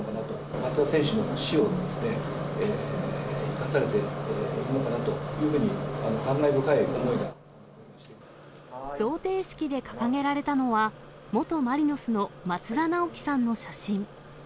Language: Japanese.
松田選手の死を生かされているのかなというふうに、感慨深い思い贈呈式で掲げられたのは、元マリノスの松田直樹さんの写真。